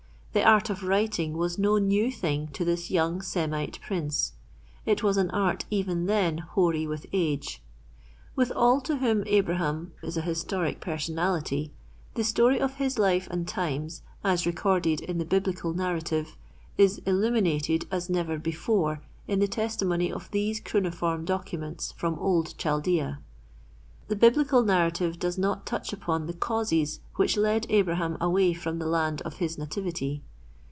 The art of writing was no new thing to this young Semite prince. It was an art even then hoary with age. With all to whom Abraham is a historic personality, the story of his life and times as recorded in the biblical narrative, is illuminated as never before in the testimony of these cuneiform documents from old Chaldea. The biblical narrative does not touch upon the causes which led Abraham away from the land of his nativity.